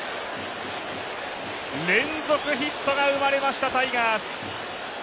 連続ヒットが生まれました、タイガース。